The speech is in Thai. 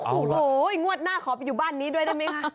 โอ้โหงวดหน้าขอไปอยู่บ้านนี้ด้วยได้ไหมคะ